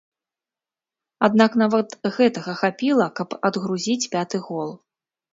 Аднак нават гэтага хапіла, каб адгрузіць пяты гол.